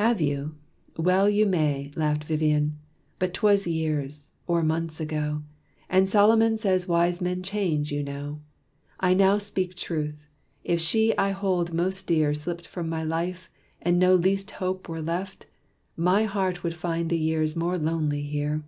"Have you? Well you may," Laughed Vivian, "but 'twas years or months ago! And Solomon says wise men change, you know! I now speak truth! if she I hold most dear Slipped from my life, and no least hope were left, My heart would find the years more lonely here.